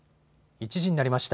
１時になりました。